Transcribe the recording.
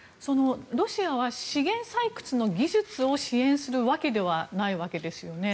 ロシアは資源採掘の技術を支援するわけではないわけですよね。